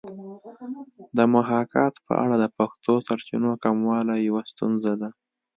د محاکات په اړه د پښتو سرچینو کموالی یوه ستونزه ده